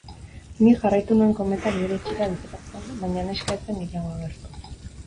Nik jarraitu nuen kometak bere etxera bideratzen, baina neska ez zen gehiago agertu